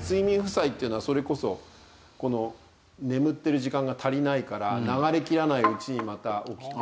睡眠負債っていうのはそれこそ眠ってる時間が足りないから流れきらないうちにまた起きて。